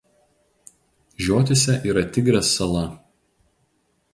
Žiotyse yra Tigrės sala.